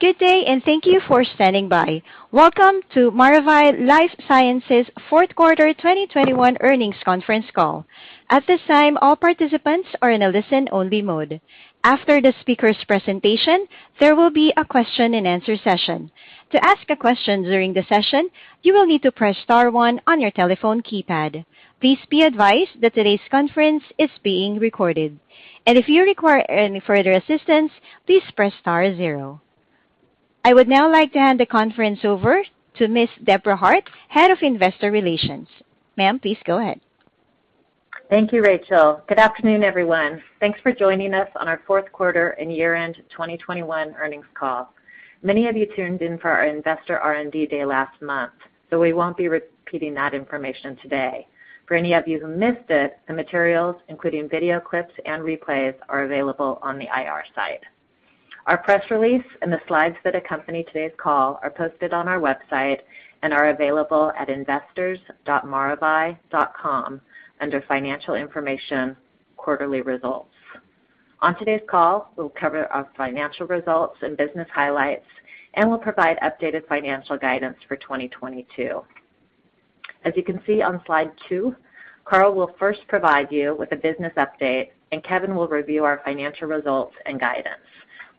Good day, and thank you for standing by. Welcome to Maravai LifeSciences Fourth Quarter 2021 Earnings Conference Call. At this time, all participants are in a listen-only mode. After the speaker's presentation, there will be a question-and-answer session. To ask a question during the session, you will need to press star one on your telephone keypad. Please be advised that today's conference is being recorded. If you require any further assistance, please press star zero. I would now like to hand the conference over to Miss Debra Hart, Head of Investor Relations. Ma'am, please go ahead. Thank you, Rachel. Good afternoon, everyone. Thanks for joining us on our Fourth Quarter and Year-End 2021 Earnings Call. Many of you tuned in for our investor R&D day last month, so we won't be repeating that information today. For any of you who missed it, the materials, including video clips and replays, are available on the IR site. Our press release and the slides that accompany today's call are posted on our website and are available at investors.maravai.com under Financial Information, Quarterly Results. On today's call, we'll cover our financial results and business highlights, and we'll provide updated financial guidance for 2022. As you can see on slide two, Carl will first provide you with a business update, and Kevin will review our financial results and guidance.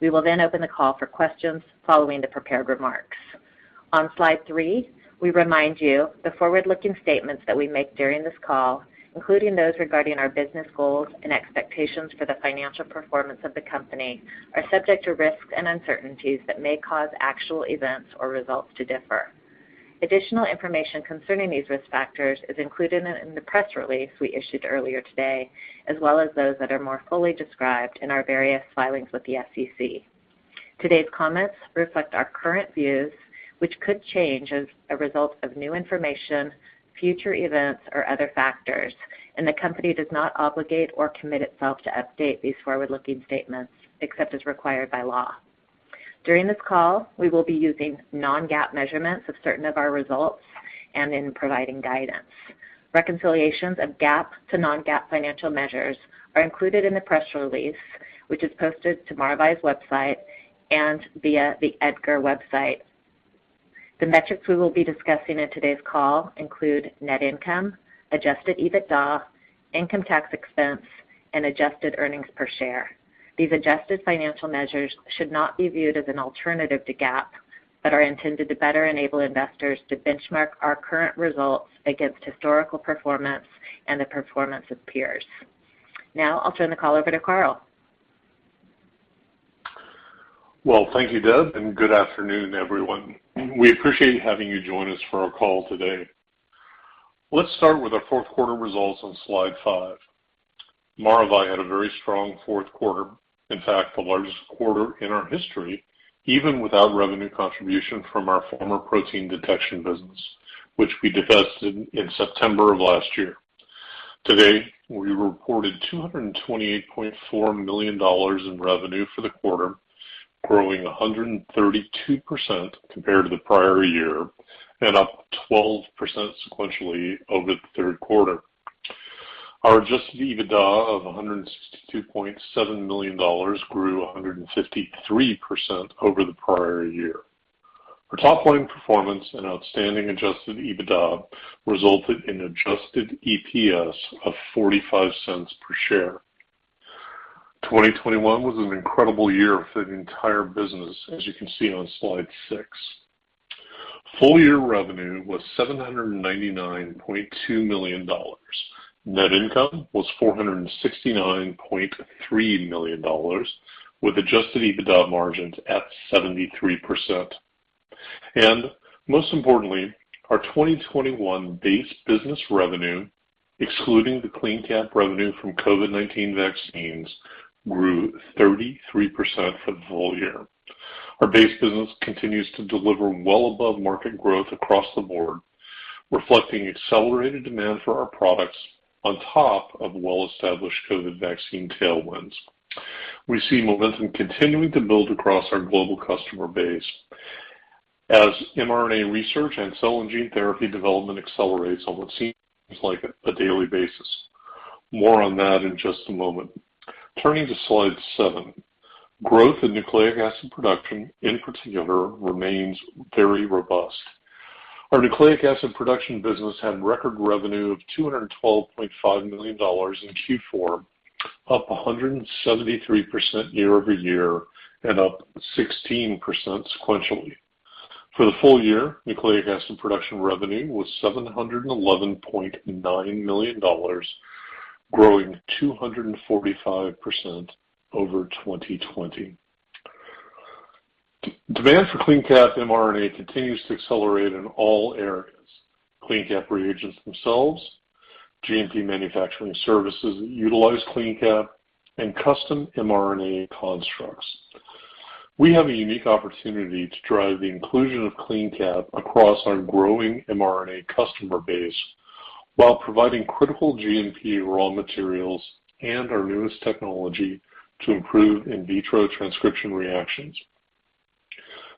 We will then open the call for questions following the prepared remarks. On slide three, we remind you of the forward-looking statements that we make during this call, including those regarding our business goals and expectations for the financial performance of the company, are subject to risks and uncertainties that may cause actual events or results to differ. Additional information concerning these risk factors is included in the press release we issued earlier today, as well as those that are more fully described in our various filings with the SEC. Today's comments reflect our current views, which could change as a result of new information, future events, or other factors. The company does not obligate or commit itself to update these forward-looking statements except as required by law. During this call, we will be using non-GAAP measurements of certain of our results and in providing guidance. Reconciliations of GAAP to non-GAAP financial measures are included in the press release, which is posted to Maravai's website and via the EDGAR website. The metrics we will be discussing in today's call include net income, adjusted EBITDA, income tax expense, and adjusted earnings per share. These adjusted financial measures should not be viewed as an alternative to GAAP, but are intended to better enable investors to benchmark our current results against historical performance and the performance of peers. Now I'll turn the call over to Carl. Well, thank you, Deb, and good afternoon, everyone. We appreciate having you join us for our call today. Let's start with our fourth quarter results on slide five. Maravai had a very strong fourth quarter, in fact, the largest quarter in our history, even without revenue contribution from our former protein detection business, which we divested in September of last year. Today, we reported $228.4 million in revenue for the quarter, growing 132% compared to the prior year and up 12% sequentially over the third quarter. Our Adjusted EBITDA of $162.7 million grew 153% over the prior year. Our top line performance and outstanding Adjusted EBITDA resulted in adjusted EPS of $0.45 per share. 2021 was an incredible year for the entire business, as you can see on slide six. Full-year revenue was $799.2 million. Net income was $469.3 million, with Adjusted EBITDA margins at 73%. Most importantly, our 2021 base business revenue, excluding the CleanCap revenue from COVID-19 vaccines, grew 33% for the full year. Our base business continues to deliver well above market growth across the board, reflecting accelerated demand for our products on top of well-established COVID vaccine tailwinds. We see momentum continuing to build across our global customer base as mRNA research and cell and gene therapy development accelerates on what seems like a daily basis. More on that in just a moment. Turning to slide seven. Growth in Nucleic Acid Production, in particular, remains very robust. Our Nucleic Acid Production business had record revenue of $212.5 million in Q4, up 173% year-over-year and up 16% sequentially. For the full year, Nucleic Acid Production revenue was $711.9 million, growing 245% over 2020. Demand for CleanCap mRNA continues to accelerate in all areas. CleanCap reagents themselves, GMP manufacturing services that utilize CleanCap, and custom mRNA constructs. We have a unique opportunity to drive the inclusion of CleanCap across our growing mRNA customer base while providing critical GMP raw materials and our newest technology to improve in vitro transcription reactions.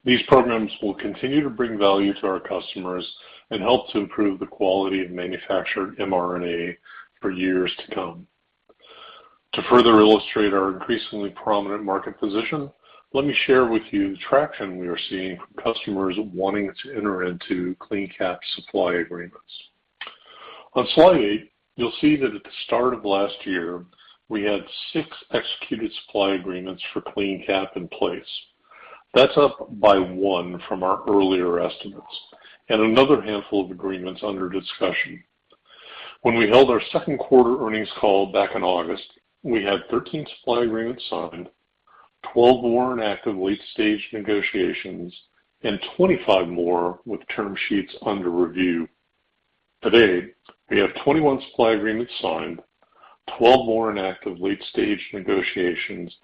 These programs will continue to bring value to our customers and help to improve the quality of manufactured mRNA for years to come. To further illustrate our increasingly prominent market position, let me share with you the traction we are seeing from customers wanting to enter into CleanCap supply agreements. On slide eight, you'll see that at the start of last year, we had six executed supply agreements for CleanCap in place. That's up by one from our earlier estimates and another handful of agreements under discussion. When we held our second quarter earnings call back in August, we had 13 supply agreements signed, 12 more in active late-stage negotiations, and 25 more with term sheets under review. Today, we have 21 supply agreements signed, 12 more in active late-stage negotiations,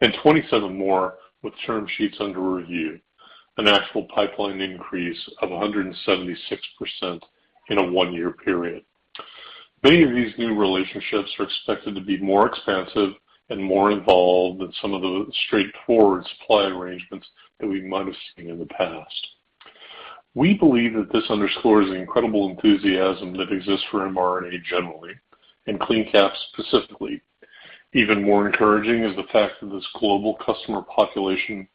and 27 more with term sheets under review. An actual pipeline increase of 176% in a one-year period. Many of these new relationships are expected to be more expansive and more involved than some of the straightforward supply arrangements that we might have seen in the past. We believe that this underscores the incredible enthusiasm that exists for mRNA generally, and CleanCap specifically. Even more encouraging is the fact that this global customer population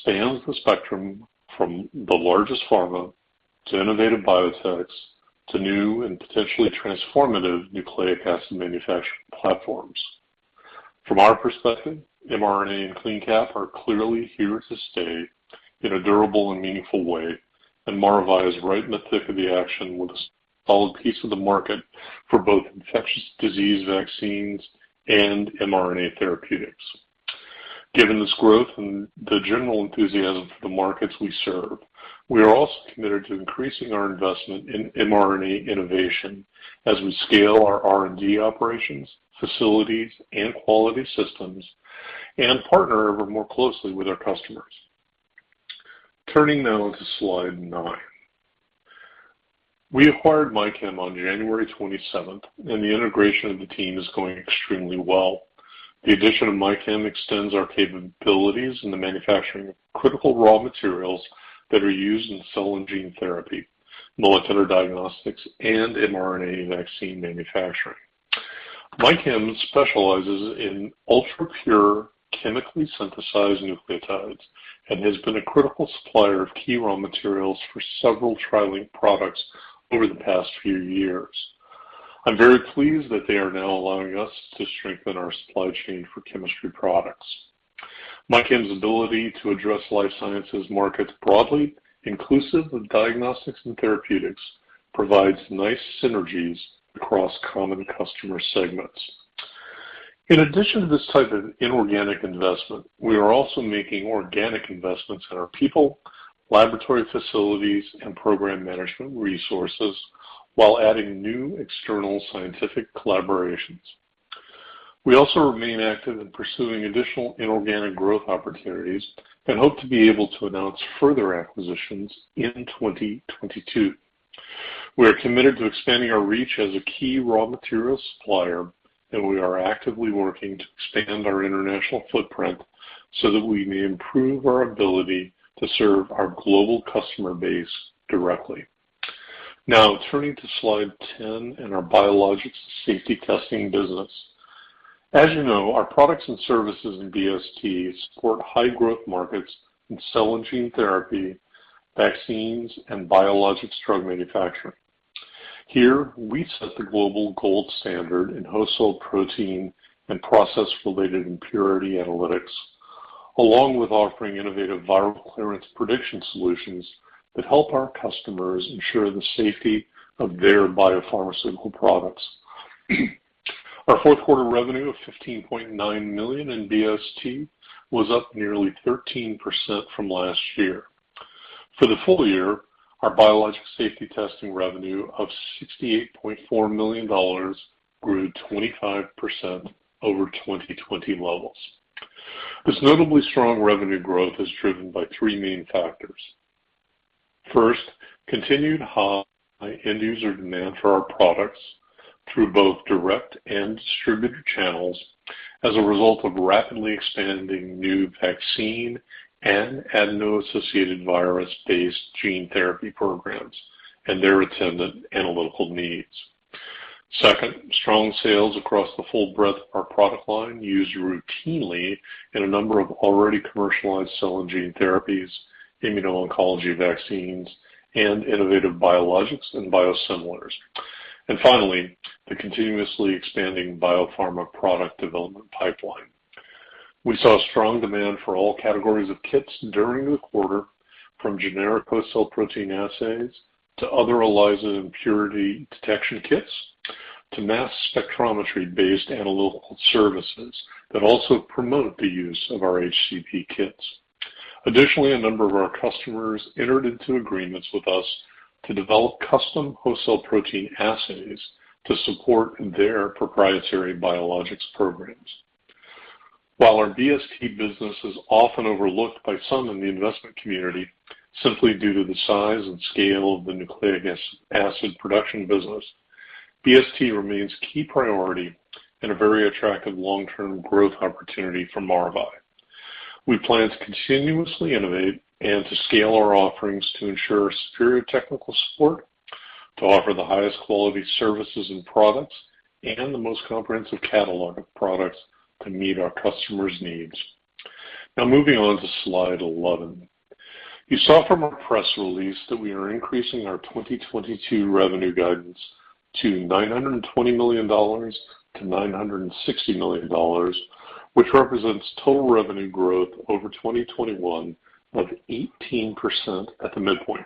spans the spectrum from the largest pharma to innovative biotechs to new and potentially transformative nucleic acid manufacturing platforms. From our perspective, mRNA and CleanCap are clearly here to stay in a durable and meaningful way, and Maravai is right in the thick of the action with a solid piece of the market for both infectious disease vaccines and mRNA therapeutics. Given this growth and the general enthusiasm for the markets we serve, we are also committed to increasing our investment in mRNA innovation as we scale our R&D operations, facilities, and quality systems and partner more closely with our customers. Turning now to slide nine. We acquired MyChem on January 27th, and the integration of the team is going extremely well. The addition of MyChem extends our capabilities in the manufacturing of critical raw materials that are used in cell and gene therapy, molecular diagnostics, and mRNA vaccine manufacturing. MyChem specializes in ultra-pure, chemically synthesized nucleotides and has been a critical supplier of key raw materials for several TriLink products over the past few years. I'm very pleased that they are now allowing us to strengthen our supply chain for chemistry products. MyChem's ability to address life sciences markets broadly, inclusive of diagnostics and therapeutics, provides nice synergies across common customer segments. In addition to this type of inorganic investment, we are also making organic investments in our people, laboratory facilities, and program management resources while adding new external scientific collaborations. We also remain active in pursuing additional inorganic growth opportunities and hope to be able to announce further acquisitions in 2022. We are committed to expanding our reach as a key raw material supplier, and we are actively working to expand our international footprint so that we may improve our ability to serve our global customer base directly. Now turning to slide 10 in our Biologics Safety Testing business. As you know, our products and services in BST support high growth markets in cell and gene therapy, vaccines, and biologics drug manufacturing. Here, we set the global gold standard in host cell protein and process-related impurity analytics, along with offering innovative viral clearance prediction solutions that help our customers ensure the safety of their biopharmaceutical products. Our fourth quarter revenue of $15.9 million in BST was up nearly 13% from last year. For the full year, our Biologics Safety Testing revenue of $68.4 million grew 25% over 2020 levels. This notably strong revenue growth is driven by three main factors. First, continued high end user demand for our products through both direct and distributor channels as a result of rapidly expanding new vaccine and adeno-associated virus-based gene therapy programs and their attendant analytical needs. Second, strong sales across the full breadth of our product line used routinely in a number of already commercialized cell and gene therapies, immuno-oncology vaccines, and innovative biologics and biosimilars. Finally, the continuously expanding biopharma product development pipeline. We saw strong demand for all categories of kits during the quarter, from generic host cell protein assays to other ELISA impurity detection kits to mass spectrometry-based analytical services that also promote the use of our HCP kits. Additionally, a number of our customers entered into agreements with us to develop custom host cell protein assays to support their proprietary biologics programs. While our BST business is often overlooked by some in the investment community simply due to the size and scale of the Nucleic Acid Production business. BST remains key priority and a very attractive long-term growth opportunity for Maravai. We plan to continuously innovate and to scale our offerings to ensure superior technical support, to offer the highest quality services and products, and the most comprehensive catalog of products to meet our customers' needs. Now moving on to slide 11. You saw from our press release that we are increasing our 2022 revenue guidance to $920 million-$960 million, which represents total revenue growth over 2021 of 18% at the midpoint.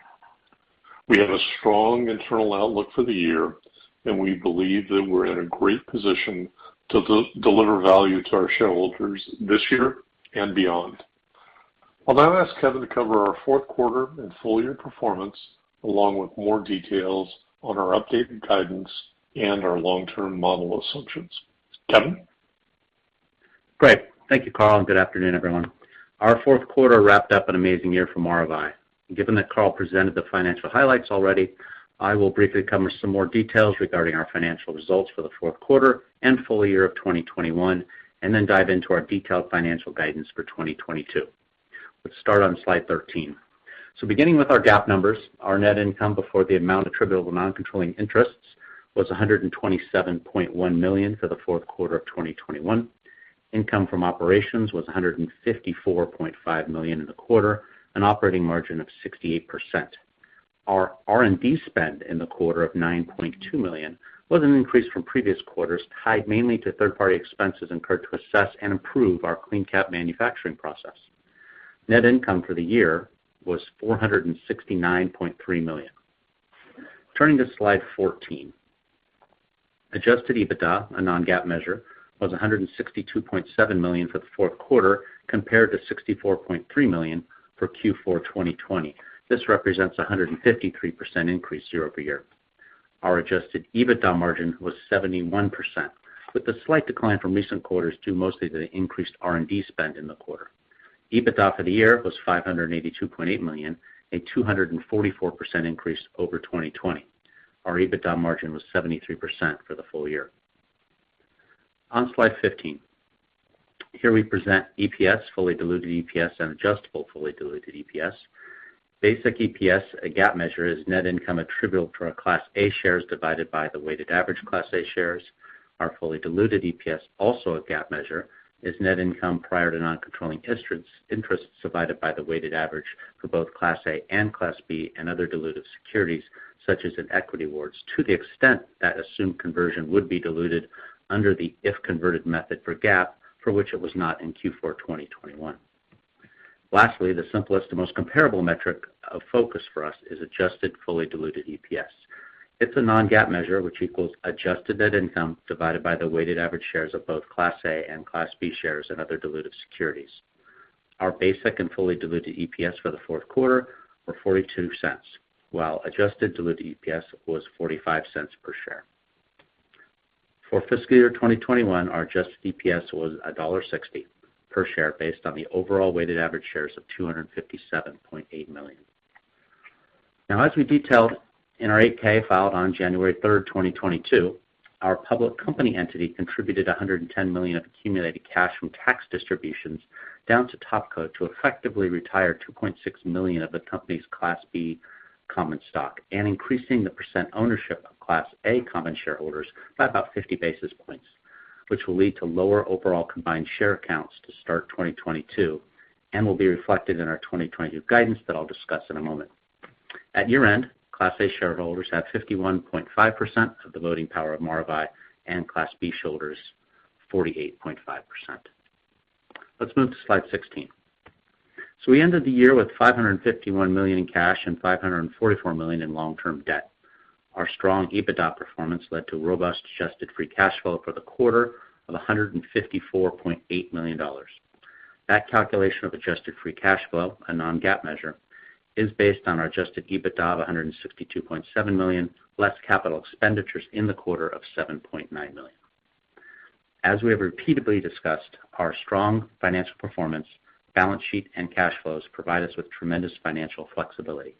We have a strong internal outlook for the year, and we believe that we're in a great position to deliver value to our shareholders this year and beyond. I'll now ask Kevin to cover our fourth quarter and full year performance, along with more details on our updated guidance and our long-term model assumptions. Kevin? Great. Thank you, Carl, and good afternoon, everyone. Our fourth quarter wrapped up an amazing year for Maravai. Given that Carl presented the financial highlights already, I will briefly cover some more details regarding our financial results for the fourth quarter and full year of 2021, and then dive into our detailed financial guidance for 2022. Let's start on slide 13. Beginning with our GAAP numbers, our net income before the amount attributable to non-controlling interests was $127.1 million for the fourth quarter of 2021. Income from operations was $154.5 million in the quarter, an operating margin of 68%. Our R&D spend in the quarter of $9.2 million was an increase from previous quarters, tied mainly to third-party expenses incurred to assess and improve our CleanCap manufacturing process. Net income for the year was $469.3 million. Turning to slide 14. Adjusted EBITDA, a non-GAAP measure, was $162.7 million for the fourth quarter compared to $64.3 million for Q4 2020. This represents a 153% increase year-over-year. Our Adjusted EBITDA margin was 71%, with a slight decline from recent quarters due mostly to the increased R&D spend in the quarter. EBITDA for the year was $582.8 million, a 244% increase over 2020. Our EBITDA margin was 73% for the full year. On slide 15, here we present EPS, fully diluted EPS, and adjusted fully diluted EPS. Basic EPS, a GAAP measure, is net income attributable to our Class A shares divided by the weighted average Class A shares. Our fully diluted EPS, also a GAAP measure, is net income prior to non-controlling interests divided by the weighted average for both Class A and Class B and other dilutive securities, such as in Equity awards, to the extent that assumed conversion would be diluted under the if converted method for GAAP, for which it was not in Q4 2021. Lastly, the simplest and most comparable metric of focus for us is adjusted fully diluted EPS. It's a non-GAAP measure which equals adjusted net income divided by the weighted average shares of both Class A and Class B shares and other dilutive securities. Our basic and fully diluted EPS for the fourth quarter were $0.42, while adjusted diluted EPS was $0.45 per share. For fiscal year 2021, our adjusted EPS was $1.60 per share based on the overall weighted average shares of 257.8 million. Now, as we detailed in our 8-K filed on January 3rd, 2022, our public company entity contributed $110 million of accumulated cash from tax distributions down to Topco to effectively retire 2.6 million of the company's Class B common stock and increasing the percent ownership of Class A common shareholders by about 50 basis points, which will lead to lower overall combined share counts to start 2022 and will be reflected in our 2022 guidance that I'll discuss in a moment. At year-end, Class A shareholders had 51.5% of the voting power of Maravai and Class B shareholders 48.5%. Let's move to slide 16. We ended the year with $551 million in cash and $544 million in long-term debt. Our strong EBITDA performance led to robust adjusted free cash flow for the quarter of $154.8 million. That calculation of adjusted free cash flow, a non-GAAP measure, is based on our Adjusted EBITDA of $162.7 million, less capital expenditures in the quarter of $7.9 million. As we have repeatedly discussed, our strong financial performance, balance sheet, and cash flows provide us with tremendous financial flexibility.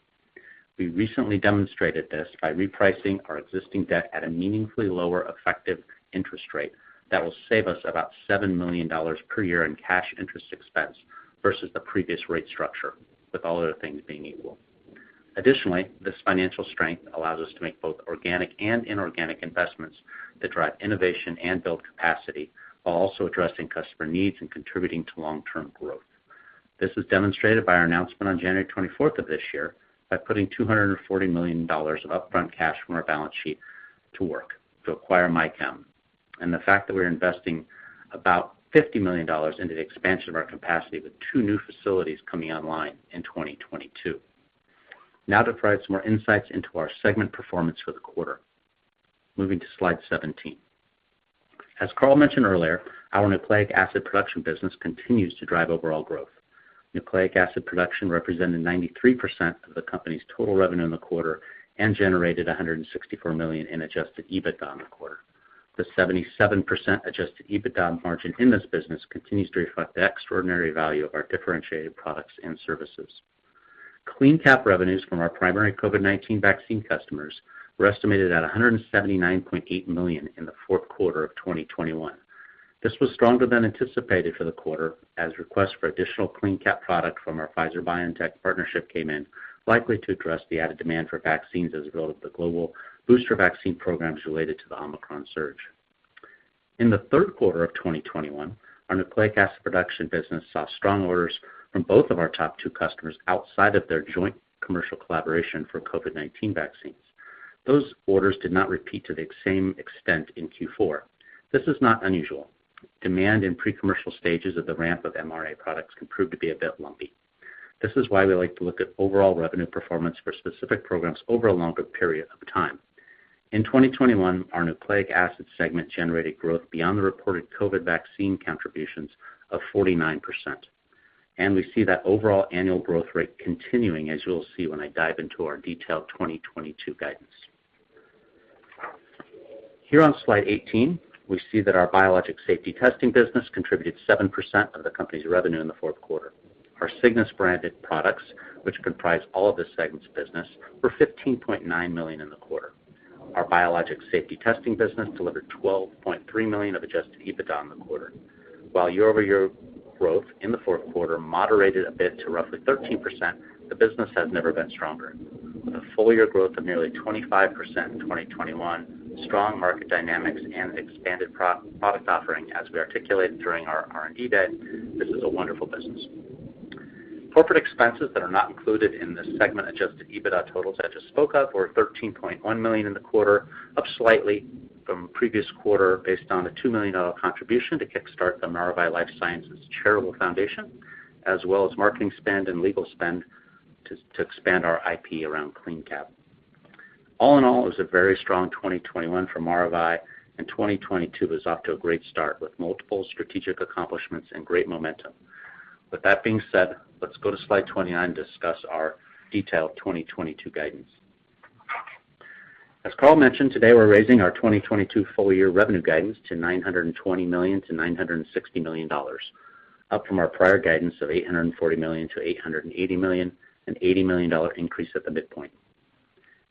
We recently demonstrated this by repricing our existing debt at a meaningfully lower effective interest rate that will save us about $7 million per year in cash interest expense versus the previous rate structure with all other things being equal. Additionally, this financial strength allows us to make both organic and inorganic investments that drive innovation and build capacity while also addressing customer needs and contributing to long-term growth. This is demonstrated by our announcement on January 24th of this year by putting $240 million of upfront cash from our balance sheet to work to acquire MyChem. The fact that we're investing about $50 million into the expansion of our capacity with two new facilities coming online in 2022. Now to provide some more insights into our segment performance for the quarter. Moving to slide 17. As Carl mentioned earlier, our Nucleic Acid Production business continues to drive overall growth. Nucleic Acid Production represented 93% of the company's total revenue in the quarter and generated $164 million in Adjusted EBITDA in the quarter. The 77% Adjusted EBITDA margin in this business continues to reflect the extraordinary value of our differentiated products and services. CleanCap revenues from our primary COVID-19 vaccine customers were estimated at $179.8 million in the fourth quarter of 2021. This was stronger than anticipated for the quarter as requests for additional CleanCap product from our Pfizer-BioNTech partnership came in, likely to address the added demand for vaccines as well as the global booster vaccine programs related to the Omicron surge. In the third quarter of 2021, our Nucleic Acid Production business saw strong orders from both of our top two customers outside of their joint commercial collaboration for COVID-19 vaccines. Those orders did not repeat to the same extent in Q4. This is not unusual. Demand in pre-commercial stages of the ramp of mRNA products can prove to be a bit lumpy. This is why we like to look at overall revenue performance for specific programs over a longer period of time. In 2021, our nucleic acids segment generated growth beyond the reported COVID vaccine contributions of 49%, and we see that overall annual growth rate continuing, as you'll see when I dive into our detailed 2022 guidance. Here on slide 18, we see that our Biologics Safety Testing business contributed 7% of the company's revenue in the fourth quarter. Our Cygnus branded products, which comprise all of this segment's business, were $15.9 million in the quarter. Our Biologics Safety Testing business delivered $12.3 million of Adjusted EBITDA in the quarter. While year-over-year growth in the fourth quarter moderated a bit to roughly 13%, the business has never been stronger. With a full year growth of nearly 25% in 2021, strong market dynamics and expanded product offering, as we articulated during our R&D day, this is a wonderful business. Corporate expenses that are not included in this segment, Adjusted EBITDA totals I just spoke of were $13.1 million in the quarter, up slightly from the previous quarter based on a $2 million contribution to kickstart the Maravai LifeSciences Foundation, as well as marketing spend and legal spend to expand our IP around CleanCap. All in all, it was a very strong 2021 for Maravai, and 2022 is off to a great start, with multiple strategic accomplishments and great momentum. With that being said, let's go to slide 20 and discuss our detailed 2022 guidance. As Carl mentioned, today we're raising our 2022 full year revenue guidance to $920 million-$960 million, up from our prior guidance of $840 million-$880 million, an $80 million increase at the midpoint.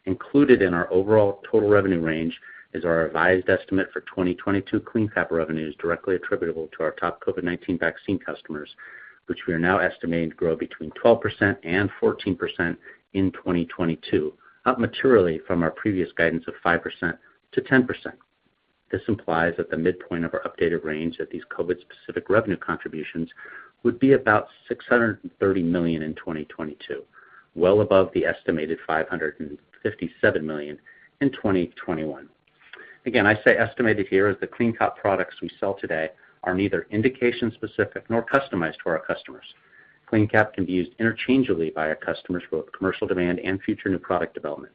Included in our overall total revenue range is our revised estimate for 2022 CleanCap revenues directly attributable to our top COVID-19 vaccine customers, which we are now estimating to grow between 12% and 14% in 2022, up materially from our previous guidance of 5%-10%. This implies that the midpoint of our updated range at these COVID-specific revenue contributions would be about $630 million in 2022, well above the estimated $557 million in 2021. Again, I say estimated here as the CleanCap products we sell today are neither indication-specific nor customized to our customers. CleanCap can be used interchangeably by our customers for both commercial demand and future new product development.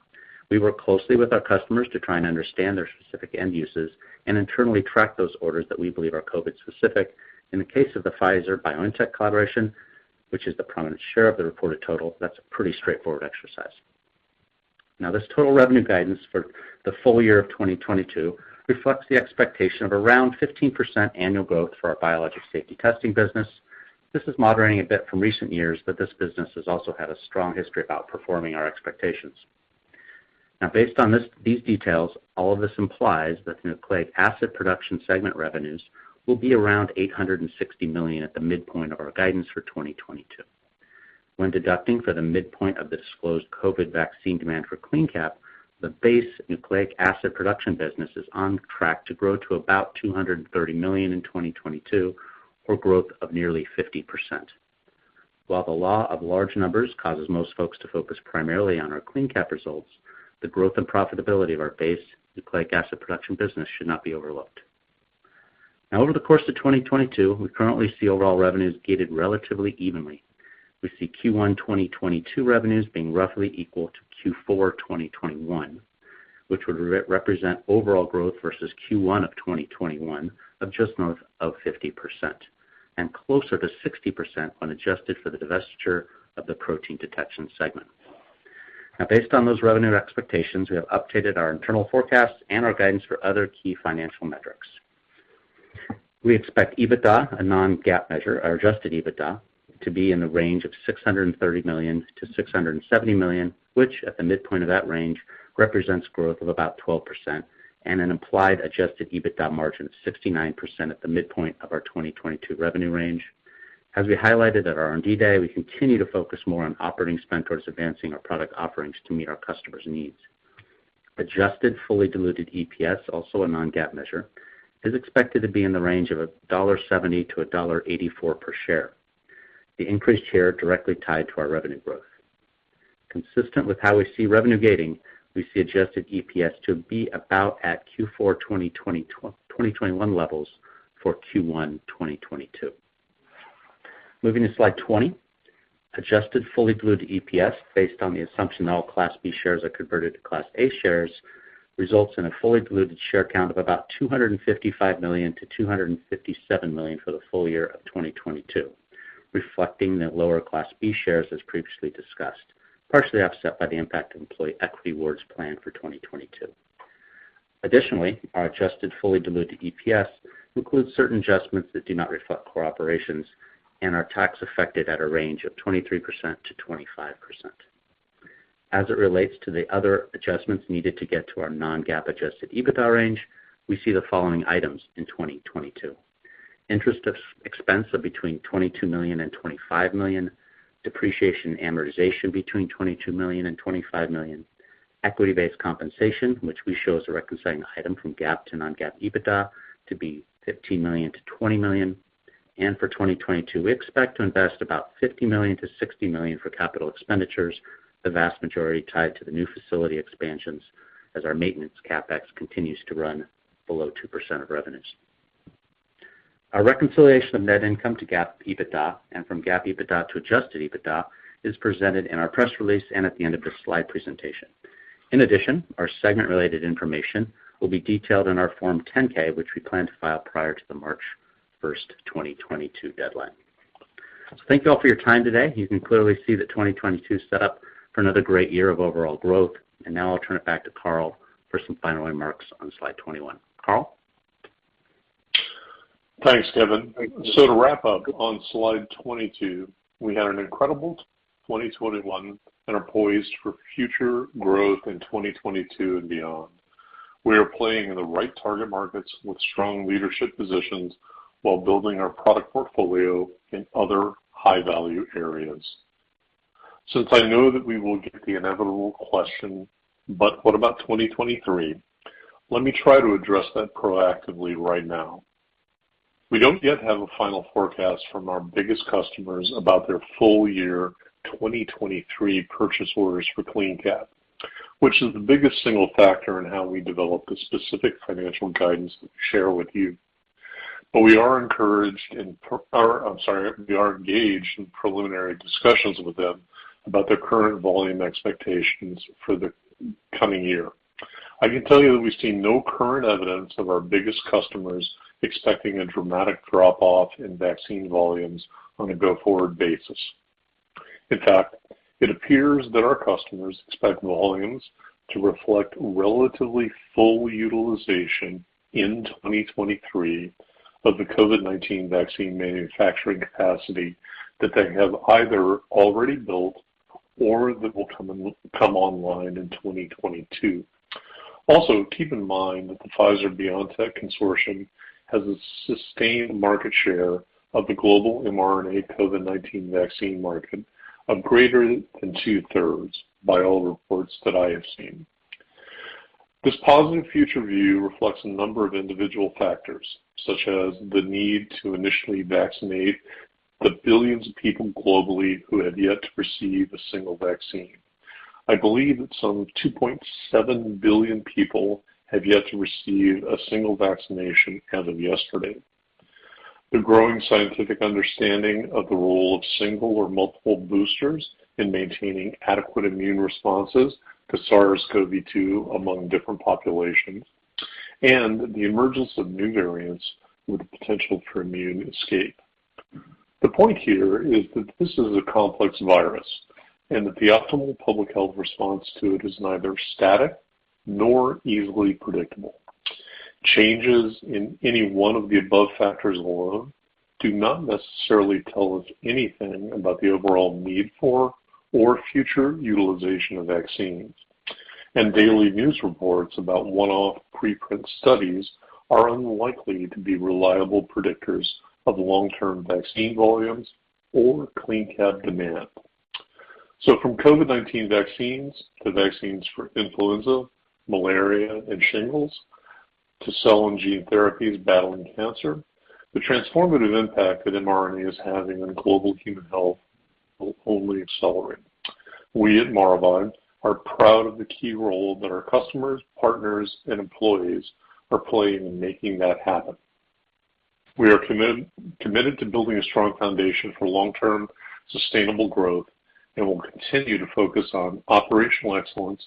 We work closely with our customers to try and understand their specific end uses and internally track those orders that we believe are COVID-specific. In the case of the Pfizer-BioNTech collaboration, which is the prominent share of the reported total, that's a pretty straightforward exercise. Now, this total revenue guidance for the full year of 2022 reflects the expectation of around 15% annual growth for our Biologics Safety Testing business. This is moderating a bit from recent years, but this business has also had a strong history of outperforming our expectations. Now, based on this, these details, all of this implies that the Nucleic Acid Production segment revenues will be around $860 million at the midpoint of our guidance for 2022. When deducting for the midpoint of the disclosed COVID vaccine demand for CleanCap, the base Nucleic Acid Production business is on track to grow to about $230 million in 2022, or growth of nearly 50%. While the law of large numbers causes most folks to focus primarily on our CleanCap results, the growth and profitability of our base Nucleic Acid Production business should not be overlooked. Now, over the course of 2022, we currently see overall revenues gated relatively evenly. We see Q1 2022 revenues being roughly equal to Q4 2021, which would represent overall growth versus Q1 of 2021 of just north of 50% and closer to 60% when adjusted for the divestiture of the protein detection segment. Now, based on those revenue expectations, we have updated our internal forecasts and our guidance for other key financial metrics. We expect EBITDA, a non-GAAP measure, our Adjusted EBITDA, to be in the range of $630 million-$670 million, which at the midpoint of that range represents growth of about 12% and an implied Adjusted EBITDA margin of 69% at the midpoint of our 2022 revenue range. As we highlighted at our R&D day, we continue to focus more on operating spend towards advancing our product offerings to meet our customers' needs. Adjusted fully diluted EPS, also a non-GAAP measure, is expected to be in the range of $1.70-$1.84 per share, the increased share directly tied to our revenue growth. Consistent with how we see revenue guidance, we see adjusted EPS to be about at Q4 2021 levels for Q1 2022. Moving to slide 20, adjusted fully diluted EPS based on the assumption that all Class B shares are converted to Class A shares results in a fully diluted share count of about 255 million-257 million for the full year of 2022, reflecting the lower Class B shares as previously discussed, partially offset by the impact of employee equity awards planned for 2022. Additionally, our adjusted fully diluted EPS includes certain adjustments that do not reflect core operations and are tax affected at a range of 23%-25%. As it relates to the other adjustments needed to get to our non-GAAP Adjusted EBITDA range, we see the following items in 2022. Interest expense of between $22 million and $25 million, depreciation and amortization between $22 million and $25 million, equity-based compensation, which we show as a reconciling item from GAAP to non-GAAP EBITDA, to be $15 million-$20 million. For 2022, we expect to invest about $50 million-$60 million for capital expenditures, the vast majority tied to the new facility expansions as our maintenance CapEx continues to run below 2% of revenues. Our reconciliation of net income to GAAP EBITDA and from GAAP EBITDA to Adjusted EBITDA is presented in our press release and at the end of this slide presentation. In addition, our segment-related information will be detailed in our Form 10-K, which we plan to file prior to the March 1st, 2022 deadline. Thank you all for your time today. You can clearly see that 2022 is set up for another great year of overall growth. Now I'll turn it back to Carl for some final remarks on slide 21. Carl? Thanks, Kevin. To wrap up on slide 22, we had an incredible 2021 and are poised for future growth in 2022 and beyond. We are playing in the right target markets with strong leadership positions while building our product portfolio in other high-value areas. Since I know that we will get the inevitable question, but what about 2023? Let me try to address that proactively right now. We don't yet have a final forecast from our biggest customers about their full year 2023 purchase orders for CleanCap, which is the biggest single factor in how we develop the specific financial guidance that we share with you. We are engaged in preliminary discussions with them about their current volume expectations for the coming year. I can tell you that we see no current evidence of our biggest customers expecting a dramatic drop-off in vaccine volumes on a go-forward basis. In fact, it appears that our customers expect volumes to reflect relatively full utilization in 2023 of the COVID-19 vaccine manufacturing capacity that they have either already built or that will come online in 2022. Also, keep in mind that the Pfizer-BioNTech consortium has a sustained market share of the global mRNA COVID-19 vaccine market of greater than 2/3 by all reports that I have seen. This positive future view reflects a number of individual factors, such as the need to initially vaccinate the billions of people globally who have yet to receive a single vaccine. I believe that some 2.7 billion people have yet to receive a single vaccination as of yesterday. The growing scientific understanding of the role of single or multiple boosters in maintaining adequate immune responses to SARS-CoV-2 among different populations, and the emergence of new variants with the potential for immune escape. The point here is that this is a complex virus, and that the optimal public health response to it is neither static nor easily predictable. Changes in any one of the above factors alone do not necessarily tell us anything about the overall need for or future utilization of vaccines. Daily news reports about one-off preprint studies are unlikely to be reliable predictors of long-term vaccine volumes or CleanCap demand. From COVID-19 vaccines to vaccines for influenza, malaria, and shingles, to cell and gene therapies battling cancer, the transformative impact that mRNA is having on global human health will only accelerate. We at Maravai are proud of the key role that our customers, partners, and employees are playing in making that happen. We are committed to building a strong foundation for long-term sustainable growth, and we'll continue to focus on operational excellence,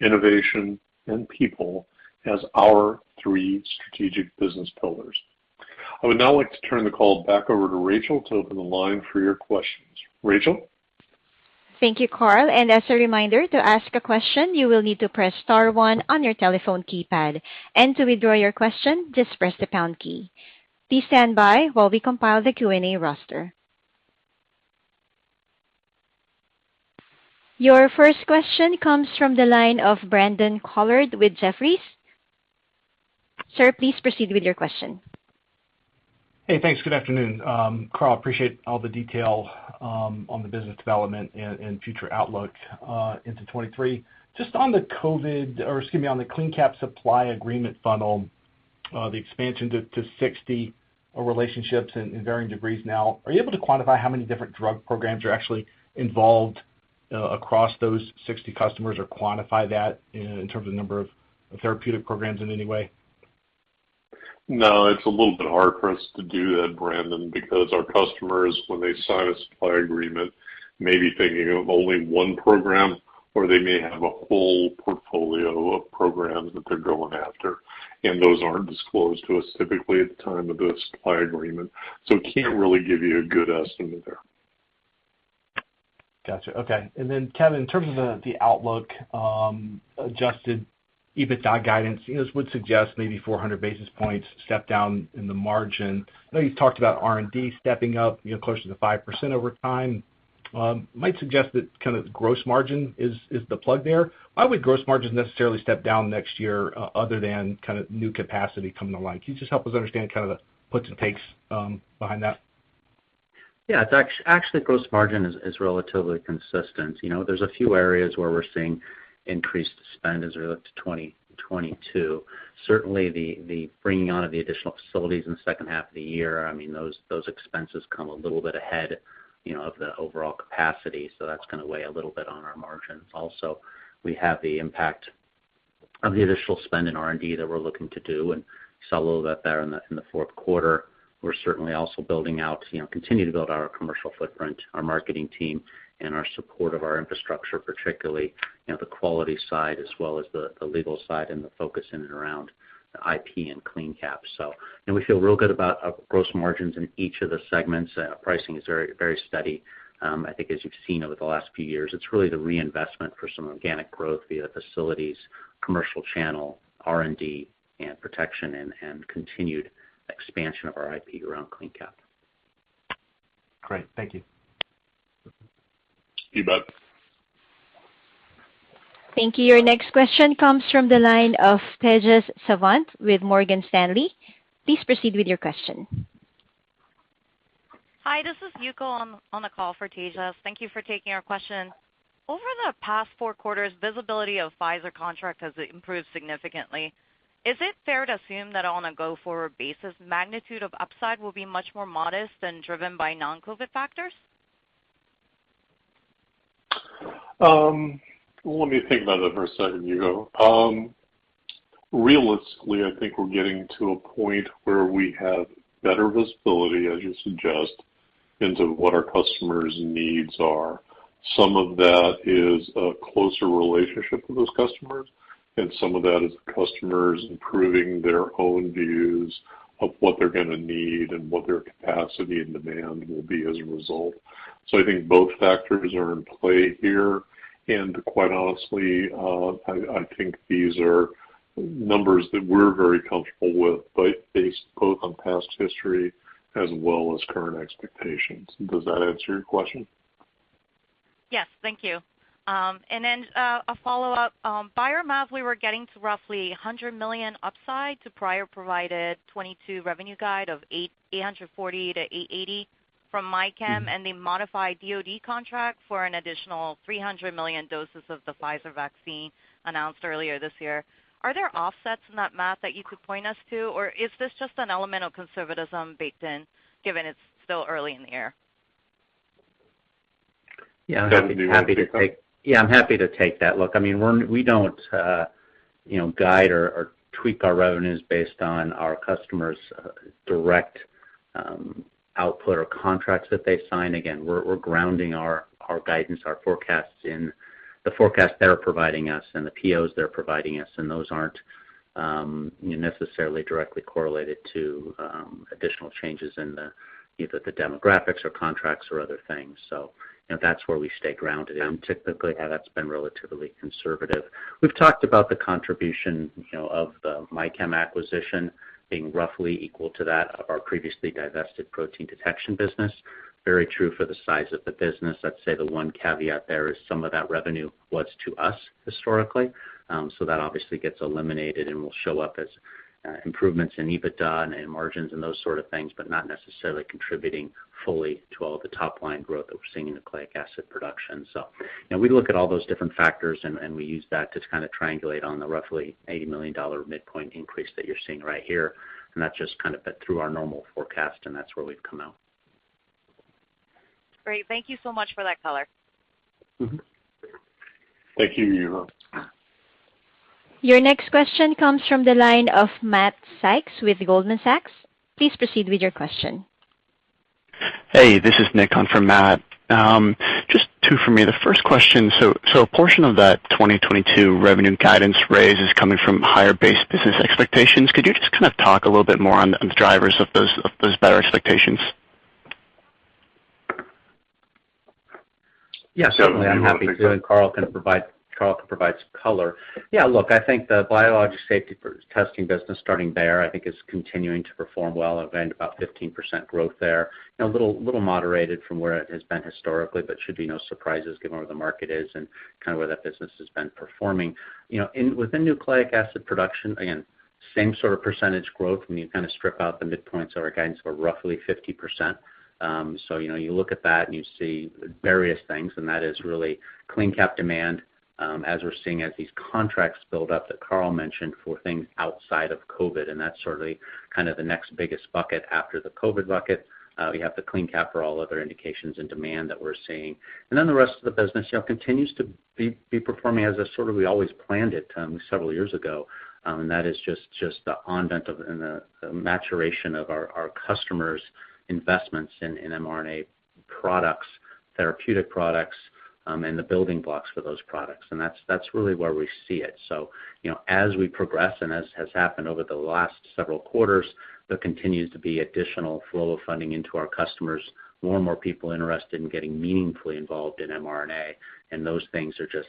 innovation, and people as our three strategic business pillars. I would now like to turn the call back over to Rachel to open the line for your questions. Rachel? Thank you, Carl. As a reminder, to ask a question, you will need to press star one on your telephone keypad. To withdraw your question, just press the pound key. Please stand by while we compile the Q&A roster. Your first question comes from the line of Brandon Couillard with Jefferies. Sir, please proceed with your question. Hey, thanks. Good afternoon. I appreciate all the detail on the business development and future outlook into 2023. Just on the COVID, or excuse me, on the CleanCap supply agreement funnel, the expansion to 60 relationships in varying degrees now, are you able to quantify how many different drug programs are actually involved across those 60 customers or quantify that in terms of number of therapeutic programs in any way? No, it's a little bit hard for us to do that, Brandon, because our customers when they sign a supply agreement may be thinking of only one program or they may have a whole portfolio of programs that they're going after, and those aren't disclosed to us typically at the time of the supply agreement. Can't really give you a good estimate there. Gotcha. Okay. Kevin, in terms of the outlook, Adjusted EBITDA guidance, you know, this would suggest maybe 400 basis points step down in the margin. I know you've talked about R&D stepping up, you know, closer to 5% over time. Might suggest that kind of gross margin is the plug there. Why would gross margins necessarily step down next year other than kind of new capacity coming to life? Can you just help us understand kind of the puts and takes behind that? Yeah. It's actually gross margin is relatively consistent. You know, there's a few areas where we're seeing increased spend as we look to 2022. Certainly the bringing on of the additional facilities in the second half of the year, I mean, those expenses come a little bit ahead, you know, of the overall capacity, so that's gonna weigh a little bit on our margins. Also, we have the impact of the additional spend in R&D that we're looking to do, and saw a little bit there in the fourth quarter. We're certainly also building out, you know, continue to build our commercial footprint, our marketing team and our support of our infrastructure, particularly, you know, the quality side as well as the legal side and the focus in and around the IP and CleanCap. We feel real good about our gross margins in each of the segments. Pricing is very, very steady. I think as you've seen over the last few years, it's really the reinvestment for some organic growth via facilities, commercial channel, R&D and protection and continued expansion of our IP around CleanCap. Great. Thank you. You bet. Thank you. Your next question comes from the line of Tejas Savant with Morgan Stanley. Please proceed with your question. Hi, this is Yuko on the call for Tejas. Thank you for taking our question. Over the past four quarters, visibility of Pfizer contract has improved significantly. Is it fair to assume that on a go-forward basis, magnitude of upside will be much more modest than driven by non-COVID factors? Well, let me think about that for a second, Yuko. Realistically, I think we're getting to a point where we have better visibility, as you suggest, into what our customers' needs are. Some of that is a closer relationship with those customers, and some of that is customers improving their own views of what they're gonna need and what their capacity and demand will be as a result. I think both factors are in play here, and quite honestly, I think these are numbers that we're very comfortable with based both on past history as well as current expectations. Does that answer your question? Yes, thank you. A follow-up. By our math, we were getting to roughly $100 million upside to prior provided 2022 revenue guide of $840 million-$880 million from MyChem and the modified DoD contract for an additional 300 million doses of the Pfizer vaccine announced earlier this year. Are there offsets in that math that you could point us to, or is this just an element of conservatism baked in given it's still early in the year? Yeah, I'm happy to take. Kevin, do you want to take that? Yeah, I'm happy to take that. Look, I mean, we're we don't you know guide or tweak our revenues based on our customers' direct output or contracts that they sign. Again, we're grounding our guidance our forecasts in the forecast they're providing us and the POs they're providing us, and those aren't you know necessarily directly correlated to additional changes in either the demographics or contracts or other things. So you know that's where we stay grounded. Typically yeah that's been relatively conservative. We've talked about the contribution you know of the MyChem acquisition being roughly equal to that of our previously divested protein detection business. Very true for the size of the business. I'd say the one caveat there is some of that revenue was to us historically. That obviously gets eliminated and will show up as improvements in EBITDA and in margins and those sort of things, but not necessarily contributing fully to all of the top line growth that we're seeing in Nucleic Acid Production. You know, we look at all those different factors and we use that to kind of triangulate on the roughly $80 million midpoint increase that you're seeing right here. That's just kind of been through our normal forecast, and that's where we've come out. Great. Thank you so much for that color. Mm-hmm. Thank you, Yuko. Your next question comes from the line of Matt Sykes with Goldman Sachs. Please proceed with your question. Hey, this is Nick on for Matt. Just two for me. The first question, a portion of that 2022 revenue guidance raise is coming from higher base business expectations. Could you just kind of talk a little bit more on the drivers of those better expectations? Yeah, certainly. I'm happy to, and Carl can provide some color. Yeah, look, I think the Biologics Safety Testing business starting there is continuing to perform well, even about 15% growth there. You know, a little moderated from where it has been historically, but should be no surprises given where the market is and kind of where that business has been performing. You know, within Nucleic Acid Production, again, same sort of percentage growth when you kind of strip out the midpoints of our guidance of roughly 50%. So, you know, you look at that and you see various things, and that is really CleanCap demand, as we're seeing as these contracts build up that Carl mentioned for things outside of COVID, and that's certainly kind of the next biggest bucket after the COVID bucket. We have the CleanCap for all other indications and demand that we're seeing. The rest of the business, you know, continues to be performing as we always planned it several years ago, and that is just the advent of the maturation of our customers' investments in mRNA products, therapeutic products, and the building blocks for those products, and that's really where we see it. You know, as we progress, and as has happened over the last several quarters, there continues to be additional flow of funding into our customers, more and more people interested in getting meaningfully involved in mRNA, and those things are just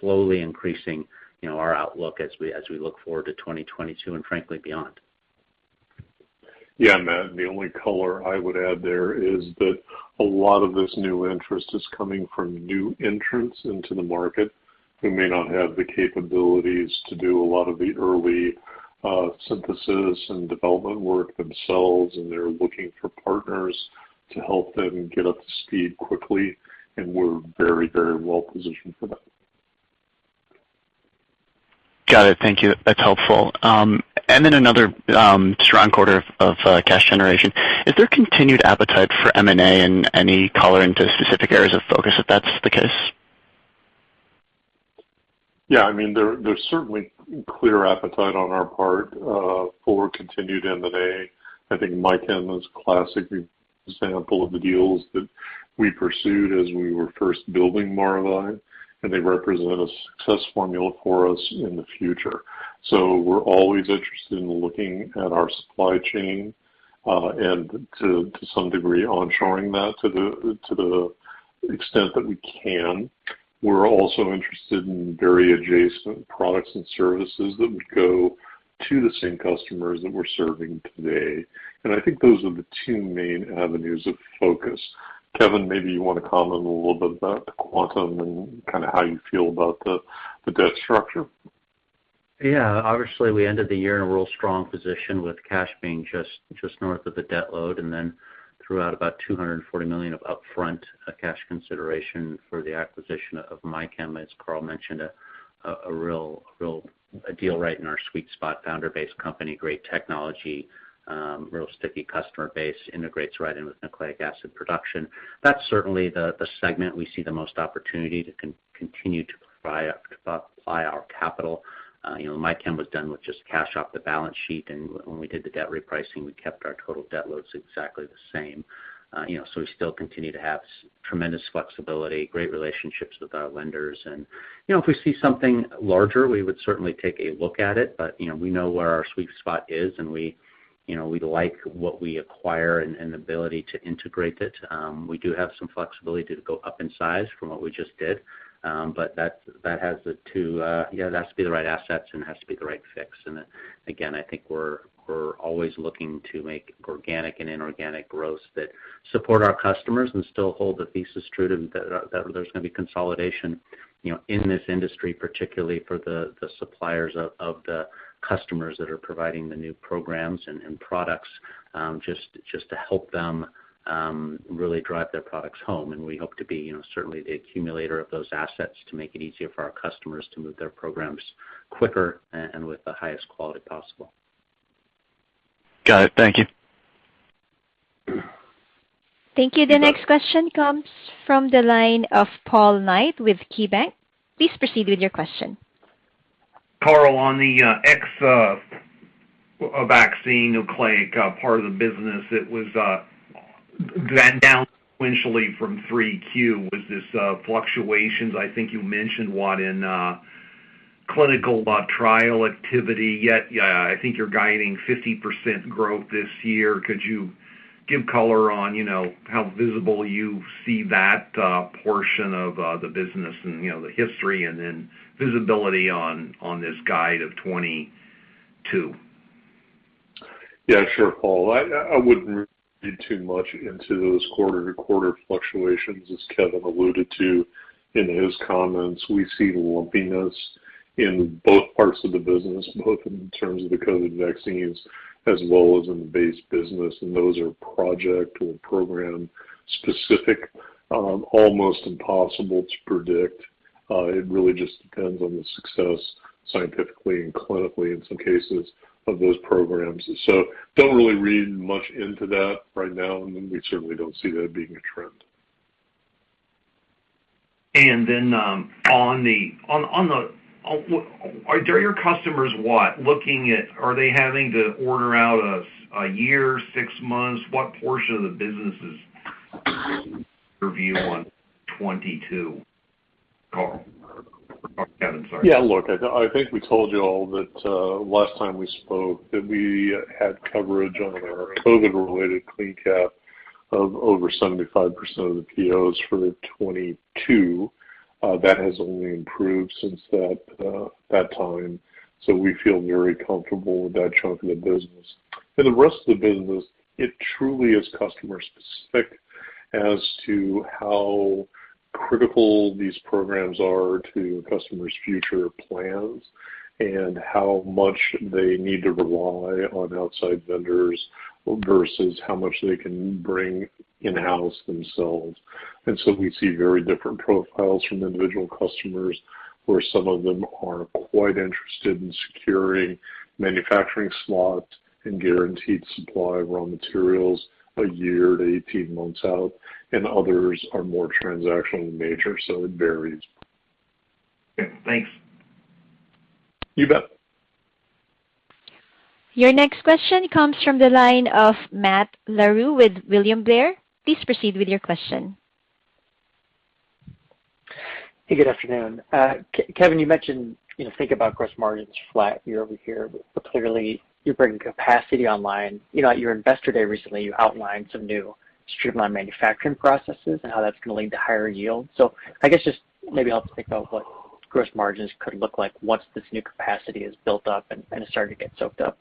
slowly increasing our outlook as we look forward to 2022, and frankly, beyond. Yeah, Matt, the only color I would add there is that a lot of this new interest is coming from new entrants into the market who may not have the capabilities to do a lot of the early synthesis and development work themselves, and they're looking for partners to help them get up to speed quickly, and we're very, very well positioned for that. Got it. Thank you. That's helpful. Another strong quarter of cash generation. Is there continued appetite for M&A and any color into specific areas of focus if that's the case? Yeah, I mean, there's certainly clear appetite on our part for continued M&A. I think Mike and his classic example of the deals that we pursued as we were first building Maravai, and they represent a success formula for us in the future. We're always interested in looking at our supply chain, and to some degree in showing that to the extent that we can. We're also interested in very adjacent products and services that would go to the same customers that we're serving today. I think those are the two main avenues of focus. Kevin, maybe you want to comment a little bit about the quantum and kinda how you feel about the debt structure. Yeah. Obviously, we ended the year in a real strong position with cash being just north of the debt load and then threw out about $240 million of upfront cash consideration for the acquisition of MyChem, as Carl mentioned, a real deal right in our sweet spot founder-based company, great technology, real sticky customer base, integrates right in with Nucleic Acid Production. That's certainly the segment we see the most opportunity to continue to apply our capital. You know, MyChem was done with just cash off the balance sheet, and when we did the debt repricing, we kept our total debt loads exactly the same. You know, we still continue to have tremendous flexibility, great relationships with our lenders. You know, if we see something larger, we would certainly take a look at it. You know, we know where our sweet spot is, and we, you know, we like what we acquire and the ability to integrate it. We do have some flexibility to go up in size from what we just did, but that has to be the right assets and has to be the right fit. Again, I think we're always looking to make organic and inorganic growth that support our customers and still hold the thesis true to that there's gonna be consolidation, you know, in this industry, particularly for the suppliers of the customers that are providing the new programs and products, just to help them really drive their products home. We hope to be, you know, certainly the accumulator of those assets to make it easier for our customers to move their programs quicker and with the highest quality possible. Got it. Thank you. Thank you. The next question comes from the line of Paul Knight with KeyBanc. Please proceed with your question. Carl, on the vaccine nucleic acid part of the business, it was down sequentially from Q3. Was this fluctuations? I think you mentioned weakness in clinical trial activity, yet I think you're guiding 50% growth this year. Could you give color on, you know, how visible you see that portion of the business and, you know, the history and then visibility on this guide of 2022? Yeah, sure, Paul. I wouldn't read too much into those quarter-to-quarter fluctuations, as Kevin alluded to in his comments. We see lumpiness in both parts of the business, both in terms of the COVID vaccines as well as in the base business, and those are project or program specific, almost impossible to predict. It really just depends on the success scientifically and clinically in some cases of those programs. Don't really read much into that right now, and we certainly don't see that being a trend. Are your customers what? Are they having to order out a year, six months? What portion of the business is revenue on 2022? Carl. Or Kevin, sorry. Yeah. Look, I think we told you all that last time we spoke that we had coverage on our COVID-related CleanCap of over 75% of the POs for 2022. That has only improved since that time. We feel very comfortable with that chunk of the business. For the rest of the business, it truly is customer specific as to how critical these programs are to customers' future plans and how much they need to rely on outside vendors versus how much they can bring in-house themselves. We see very different profiles from individual customers, where some of them are quite interested in securing manufacturing slots and guaranteed supply of raw materials a year to 18 months out, and others are more transactional in nature, so it varies. Okay. Thanks. You bet. Your next question comes from the line of Matt Larew with William Blair. Please proceed with your question. Hey, good afternoon. Kevin, you mentioned, you know, think about gross margins flat year-over-year, but clearly you're bringing capacity online. You know, at your Investor Day recently, you outlined some new streamlined manufacturing processes and how that's gonna lead to higher yield. I guess just maybe help think about what gross margins could look like once this new capacity is built up and it's starting to get soaked up.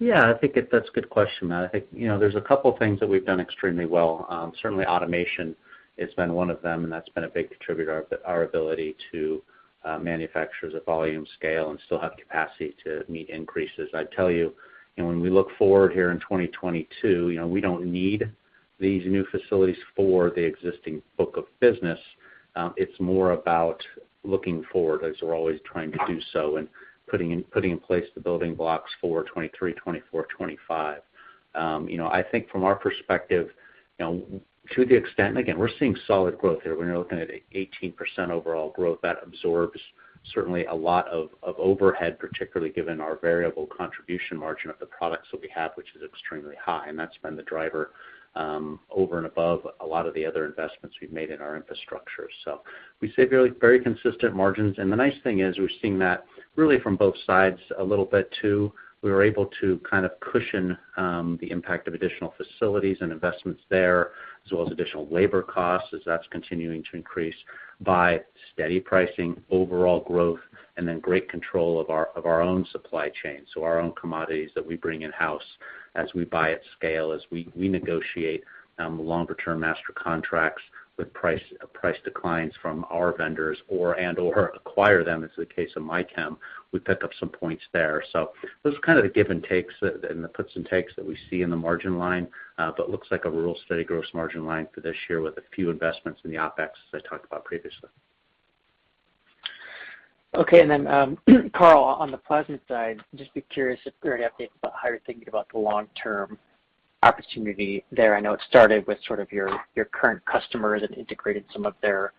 That's a good question, Matt. I think, you know, there's a couple things that we've done extremely well. Certainly automation has been one of them, and that's been a big contributor to our ability to manufacture at a volume scale and still have capacity to meet increases. I'd tell you know, when we look forward here in 2022, you know, we don't need these new facilities for the existing book of business. It's more about looking forward as we're always trying to do so and putting in place the building blocks for 2023, 2024, 2025. You know, I think from our perspective, you know, to the extent, again, we're seeing solid growth here. When you're looking at 18% overall growth, that absorbs certainly a lot of overhead, particularly given our variable contribution margin of the products that we have, which is extremely high. That's been the driver over and above a lot of the other investments we've made in our infrastructure. We see very, very consistent margins. The nice thing is we're seeing that really from both sides a little bit, too. We were able to kind of cushion the impact of additional facilities and investments there, as well as additional labor costs, as that's continuing to increase by steady pricing, overall growth, and then great control of our own supply chain, so our own commodities that we bring in-house as we buy at scale, as we negotiate longer term master contracts with price declines from our vendors or and/or acquire them, as the case of MyChem, we pick up some points there. Those are kind of the give and takes and the puts and takes that we see in the margin line, but looks like a real steady gross margin line for this year with a few investments in the OpEx, as I talked about previously. Okay. Carl, on the plasmid side, just curious if there are any updates about how you're thinking about the long-term opportunity there. I know it started with sort of your current customers and integrated some of their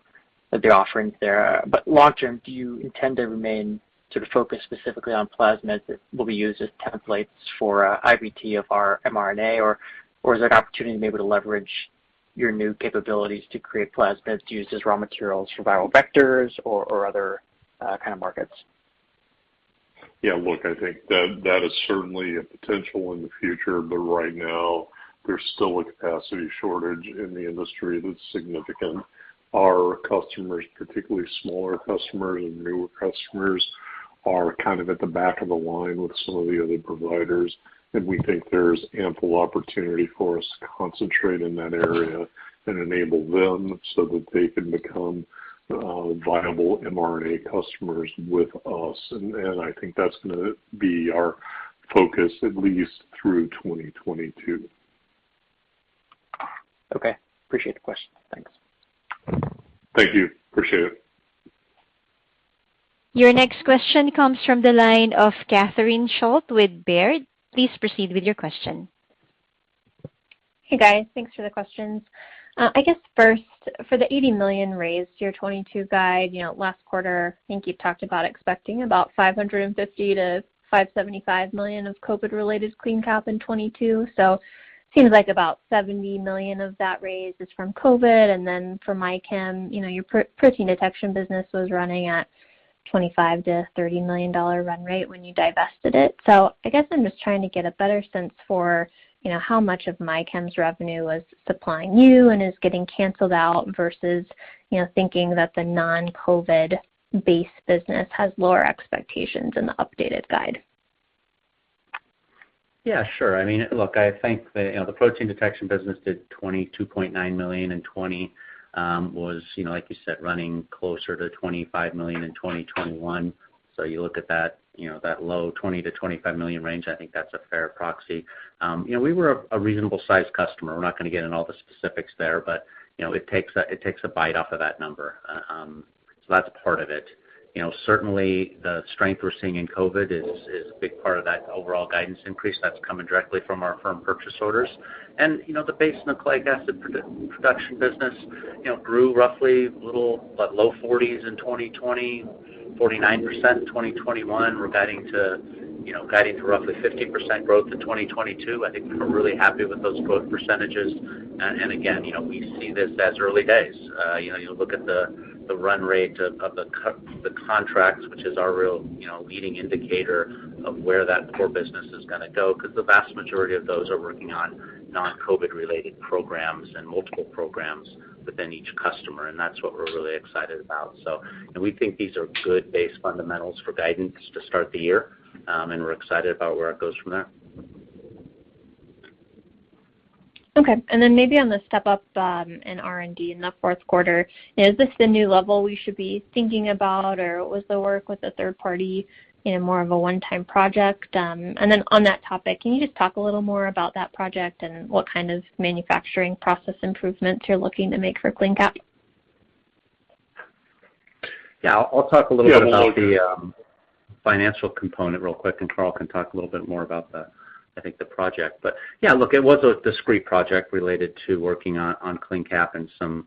offerings there. Long term, do you intend to remain sort of focused specifically on plasmids that will be used as templates for IVT of our mRNA? Or is there an opportunity to be able to leverage your new capabilities to create plasmids to use as raw materials for viral vectors or other kind of markets? Yeah. Look, I think that is certainly a potential in the future. Right now there's still a capacity shortage in the industry that's significant. Our customers, particularly smaller customers and newer customers, are kind of at the back of the line with some of the other providers. We think there's ample opportunity for us to concentrate in that area and enable them so that they can become viable mRNA customers with us. I think that's gonna be our focus at least through 2022. Okay. Appreciate the question. Thanks. Thank you. I appreciate it. Your next question comes from the line of Catherine Schulte with Baird. Please proceed with your question. Hey, guys. Thanks for the questions. I guess first, for the $80 million raised 2022 guide, you know, last quarter, I think you talked about expecting about $550 million-$575 million of COVID-related CleanCap in 2022. Seems like about $70 million of that raise is from COVID. Then for MyChem, you know, your host cell protein detection business was running at $25 million-$30 million run rate when you divested it. I guess I'm just trying to get a better sense for, you know, how much of MyChem's revenue was supplying you and is getting canceled out versus, you know, thinking that the non-COVID base business has lower expectations in the updated guide. Yeah, sure. I mean, look, I think the you know the protein detection business did $22.9 million in 2020, you know, like you said, running closer to $25 million in 2021. You look at that, you know, that low $20 million-$25 million range, I think that's a fair proxy. You know, we were a reasonably sized customer. We're not gonna get in all the specifics there, but you know it takes a bite off of that number. That's part of it. You know, certainly the strength we're seeing in COVID is a big part of that overall guidance increase that's coming directly from our firm purchase orders. You know, the base Nucleic Acid Production business you know grew roughly low 40s% in 2020, 49% in 2021. We're guiding to roughly 15% growth in 2022. I think we're really happy with those growth percentages. Again, you know, we see this as early days. You know, you look at the run rate of the contracts, which is our real, you know, leading indicator of where that core business is gonna go, 'cause the vast majority of those are working on non-COVID related programs and multiple programs within each customer, and that's what we're really excited about. We think these are good base fundamentals for guidance to start the year, and we're excited about where it goes from there. Okay. Maybe on the step up in R&D in the fourth quarter, you know, is this the new level we should be thinking about, or was the work with the third party, you know, more of a one-time project? On that topic, can you just talk a little more about that project and what kind of manufacturing process improvements you're looking to make for CleanCap? Yeah, I'll talk a little bit about the financial component real quick, and Carl can talk a little bit more about the, I think, the project. Yeah, look, it was a discrete project related to working on CleanCap and some,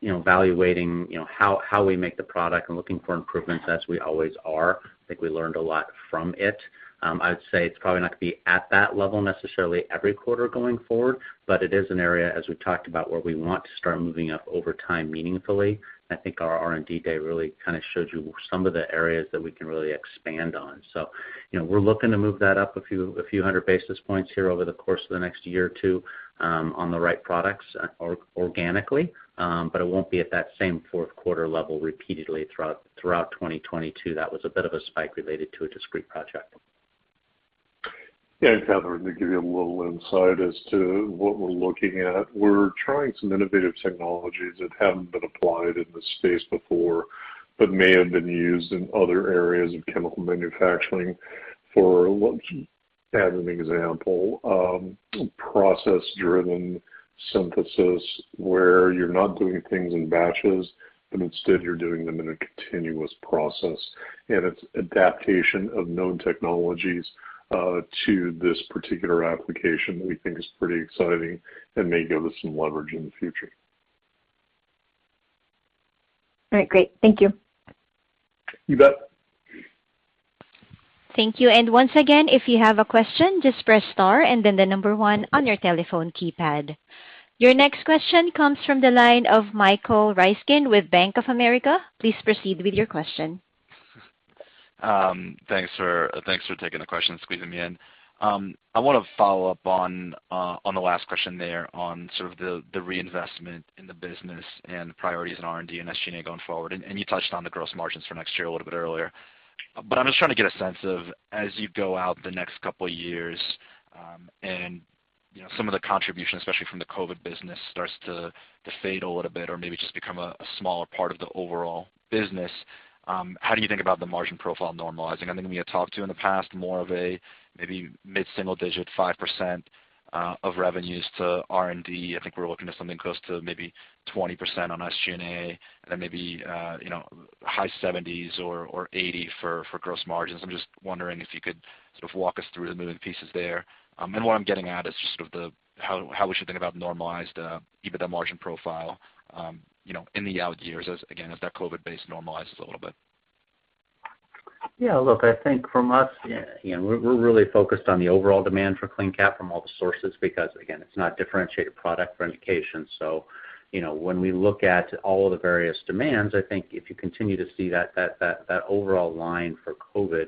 you know, evaluating how we make the product and looking for improvements as we always are. I think we learned a lot from it. I would say it's probably not going to be at that level necessarily every quarter going forward, but it is an area, as we talked about, where we want to start moving up over time meaningfully. I think our R&D day really kind of showed you some of the areas that we can really expand on. You know, we're looking to move that up a few hundred basis points here over the course of the next year or two, on the right products organically. It won't be at that same fourth quarter level repeatedly throughout 2022. That was a bit of a spike related to a discrete project. Yeah. Catherine, to give you a little insight as to what we're looking at, we're trying some innovative technologies that haven't been applied in this space before, but may have been used in other areas of chemical manufacturing for, as an example, process-driven synthesis, where you're not doing things in batches, but instead you're doing them in a continuous process. It's adaptation of known technologies to this particular application that we think is pretty exciting and may give us some leverage in the future. All right, great. Thank you. You bet. Thank you. Once again, if you have a question, just press star and then the number one on your telephone keypad. Your next question comes from the line of Michael Ryskin with Bank of America. Please proceed with your question. Thanks for taking the question, squeezing me in. I want to follow up on the last question there on sort of the reinvestment in the business and the priorities in R&D and SG&A going forward. You touched on the gross margins for next year a little bit earlier. I'm just trying to get a sense of as you go out the next couple of years, and you know, some of the contribution, especially from the COVID business, starts to fade a little bit or maybe just become a smaller part of the overall business, how do you think about the margin profile normalizing? I think we had talked about in the past more of a maybe mid-single digit, 5%, of revenues to R&D. I think we're looking at something close to maybe 20% on SG&A, and then maybe, you know, high 70s% or 80% for gross margins. I'm just wondering if you could sort of walk us through the moving pieces there. What I'm getting at is just sort of how we should think about normalized EBITDA margin profile, you know, in the out years as, again, as that COVID base normalizes a little bit. Yeah. Look, I think from us, you know, we're really focused on the overall demand for CleanCap from all the sources because, again, it's not differentiated product for indication. You know, when we look at all the various demands, I think if you continue to see that overall line for COVID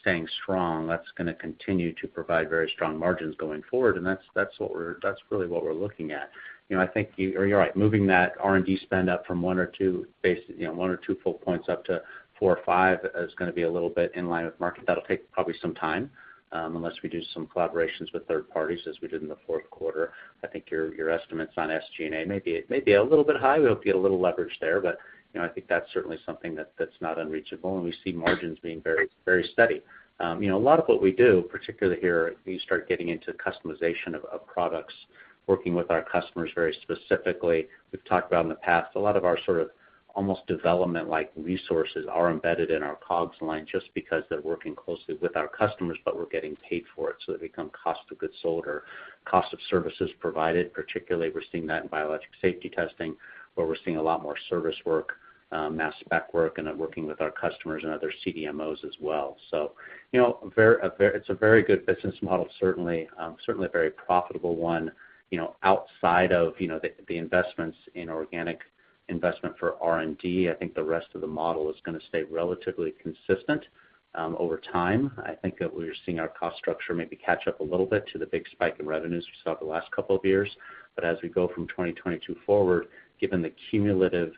staying strong, that's gonna continue to provide very strong margins going forward. That's what we're looking at. That's really what we're looking at. You know, I think or you're right, moving that R&D spend up from 1 or 2 basis points up to four or five is gonna be a little bit in line with market. That'll take probably some time unless we do some collaborations with third parties as we did in the fourth quarter. I think your estimates on SG&A may be a little bit high. We hope to get a little leverage there. You know, I think that's certainly something that's not unreachable, and we see margins being very steady. You know, a lot of what we do, particularly here, you start getting into customization of products, working with our customers very specifically. We've talked about in the past, a lot of our sort of almost development-like resources are embedded in our COGS line just because they're working closely with our customers, but we're getting paid for it, so they become cost of goods sold or cost of services provided. Particularly, we're seeing that in Biologics Safety Testing, where we're seeing a lot more service work, mass spec work and then working with our customers and other CDMOs as well. You know, a very good business model, certainly. Certainly a very profitable one. You know, outside of, you know, the investments in organic investment for R&D, I think the rest of the model is gonna stay relatively consistent, over time. I think that we're seeing our cost structure maybe catch up a little bit to the big spike in revenues we saw the last couple of years. As we go from 2022 forward, given the cumulative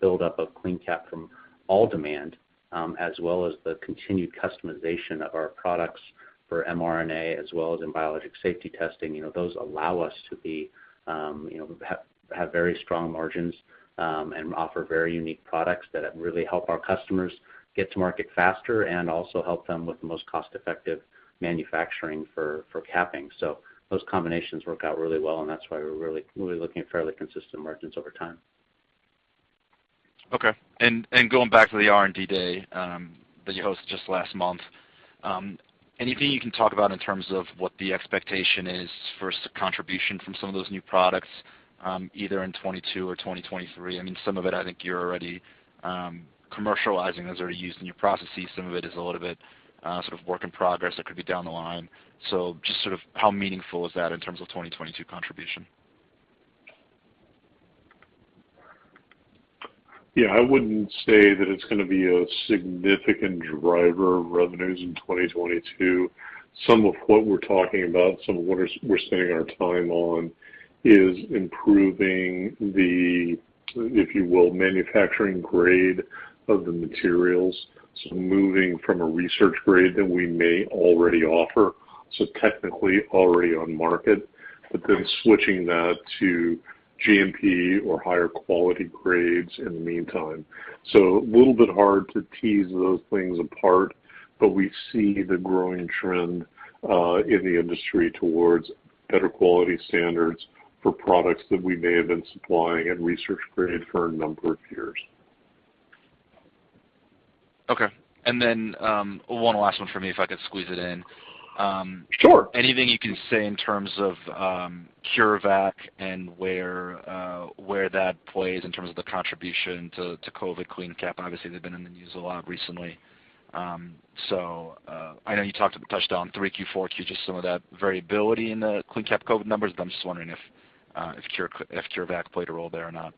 buildup of CleanCap from all demand, as well as the continued customization of our products for mRNA as well as in Biologics Safety Testing, you know, those allow us to be, you know, have very strong margins, and offer very unique products that really help our customers get to market faster and also help them with the most cost-effective manufacturing for capping. So those combinations work out really well, and that's why we're really, really looking at fairly consistent margins over time. Okay. Going back to the R&D day that you hosted just last month, anything you can talk about in terms of what the expectation is for contribution from some of those new products, either in 2022 or 2023? I mean, some of it I think you're already commercializing. Those are used in your processes. Some of it is a little bit sort of work in progress that could be down the line. Just sort of how meaningful is that in terms of 2022 contribution? Yeah, I wouldn't say that it's gonna be a significant driver of revenues in 2022. Some of what we're talking about, some of what we're spending our time on is improving the, if you will, manufacturing grade of the materials. Moving from a research grade that we may already offer, technically already on market, but then switching that to GMP or higher quality grades in the meantime. It's a little bit hard to tease those things apart, but we see the growing trend in the industry towards better quality standards for products that we may have been supplying in research grade for a number of years. Okay. One last one for me, if I could squeeze it in. Sure. Anything you can say in terms of CureVac and where that plays in terms of the contribution to COVID CleanCap? Obviously, they've been in the news a lot recently. I know you touched on Q3/Q4, could you just some of that variability in the CleanCap COVID numbers, but I'm just wondering if CureVac played a role there or not.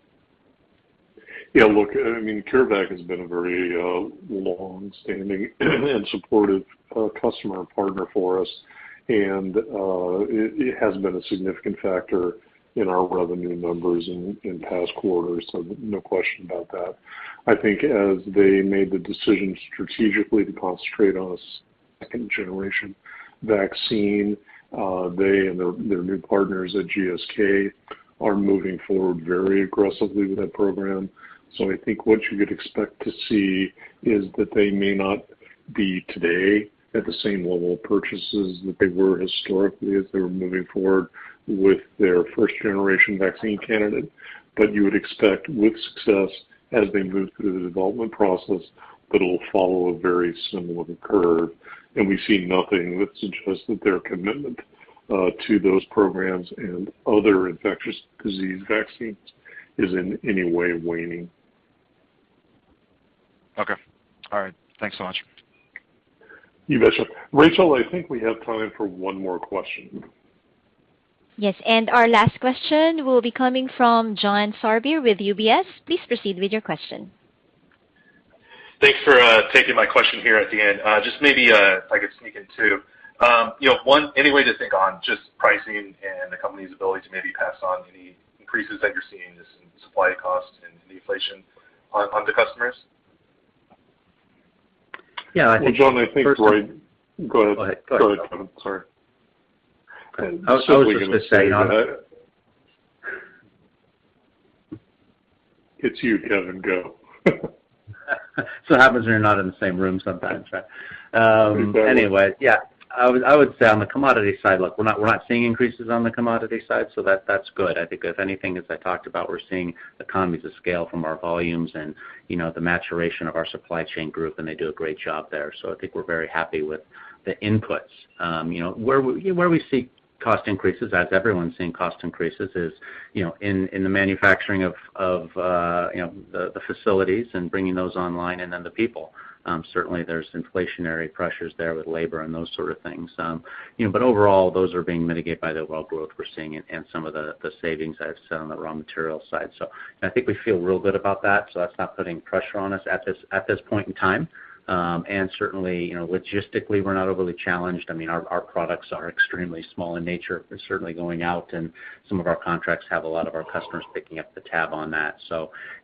Yeah. Look, I mean, CureVac has been a very longstanding and supportive customer partner for us. It has been a significant factor in our revenue numbers in past quarters. No question about that. I think as they made the decision strategically to concentrate on a second-generation vaccine, they and their new partners at GSK are moving forward very aggressively with that program. I think what you could expect to see is that they may not be today at the same level of purchases that they were historically as they were moving forward with their first-generation vaccine candidate. You would expect with success as they move through the development process, that it'll follow a very similar curve. We see nothing that suggests that their commitment to those programs and other infectious disease vaccines is in any way waning. Okay. All right. Thanks so much. You betcha. Rachel, I think we have time for one more question. Yes, our last question will be coming from John Sourbeer with UBS. Please proceed with your question. Thanks for taking my question here at the end. Just maybe if I could sneak in two. You know, one, any way to think on just pricing and the company's ability to maybe pass on any increases that you're seeing in supply costs and inflation on the customers? Yeah, I think. Well, John, I think. Go ahead. Go ahead. Go ahead, sorry. I was just gonna say on- It's you, Kevin. Go. It happens we're not in the same room sometimes, right? Anyway, yeah. I would say on the commodity side, look, we're not seeing increases on the commodity side, so that's good. I think if anything, as I talked about, we're seeing economies of scale from our volumes and, you know, the maturation of our supply chain group, and they do a great job there. I think we're very happy with the inputs. You know, where we see cost increases, as everyone's seeing cost increases is, you know, in the manufacturing of the facilities and bringing those online and then the people. Certainly there's inflationary pressures there with labor and those sort of things. Overall, those are being mitigated by the world growth we're seeing and some of the savings I've said on the raw material side. I think we feel real good about that, so that's not putting pressure on us at this point in time. Certainly, you know, logistically, we're not overly challenged. I mean, our products are extremely small in nature. They're certainly going out, and some of our contracts have a lot of our customers picking up the tab on that.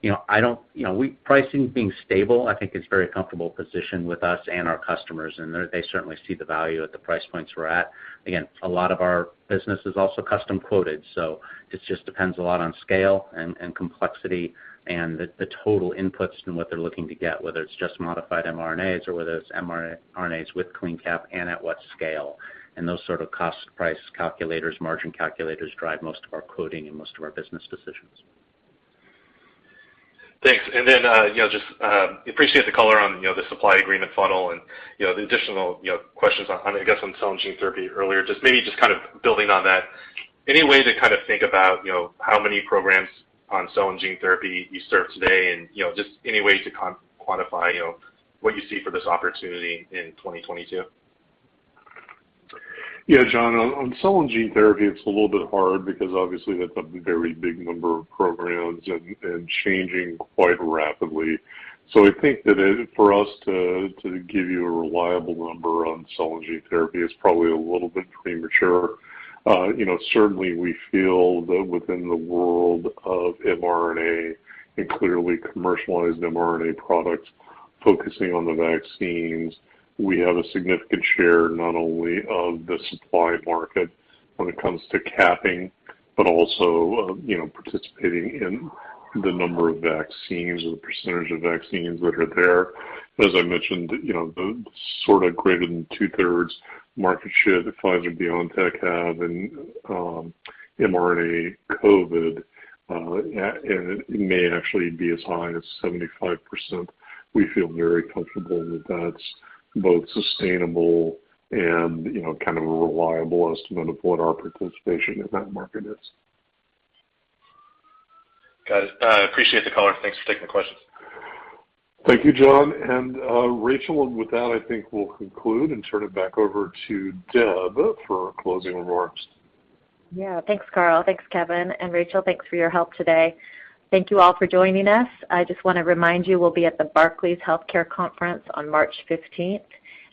You know, pricing being stable I think is very comfortable position with us and our customers, and they certainly see the value at the price points we're at. Again, a lot of our business is also custom quoted, so it just depends a lot on scale and complexity and the total inputs and what they're looking to get, whether it's just modified mRNAs or whether it's mRNAs with CleanCap and at what scale. Those sort of cost price calculators, margin calculators drive most of our quoting and most of our business decisions. Thanks. You know, just appreciate the color on, you know, the supply agreement funnel and, you know, the additional, you know, questions on, I guess, on cell and gene therapy earlier. Just maybe just kind of building on that, any way to kind of think about, you know, how many programs on cell and gene therapy you serve today? You know, just any way to quantify, you know, what you see for this opportunity in 2022? Yeah, John. On cell and gene therapy, it's a little bit hard because obviously that's a very big number of programs and changing quite rapidly. I think that for us to give you a reliable number on cell and gene therapy is probably a little bit premature. You know, certainly we feel that within the world of mRNA and clearly commercialized mRNA products focusing on the vaccines, we have a significant share not only of the supply market when it comes to capping, but also, you know, participating in the number of vaccines or the percentage of vaccines that are there. But as I mentioned, you know, the sort of greater than two-thirds market share that Pfizer-BioNTech have in mRNA COVID and it may actually be as high as 75%. We feel very comfortable that that's both sustainable and, you know, kind of a reliable estimate of what our participation in that market is. Got it. Appreciate the color. Thanks for taking the questions. Thank you, John. Rachel, with that, I think we'll conclude and turn it back over to Deb for closing remarks. Yeah. Thanks, Carl. Thanks, Kevin. And Rachel, thanks for your help today. Thank you all for joining us. I just wanna remind you, we'll be at the Barclays Healthcare Conference on March 15th,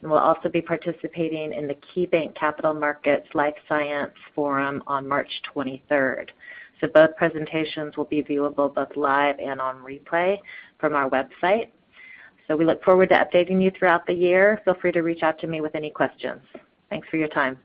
and we'll also be participating in the KeyBanc Capital Markets Life Sciences Forum on March 23rd. Both presentations will be viewable both live and on replay from our website. We look forward to updating you throughout the year. Feel free to reach out to me with any questions. Thanks for your time.